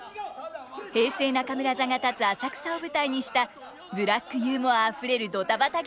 平成中村座が立つ浅草を舞台にしたブラックユーモアあふれるドタバタ劇です。